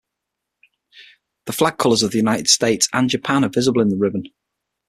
The flag colors of the United States and Japan are visible in the ribbon.